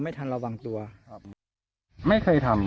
เบิร์ตลมเสียโอ้โห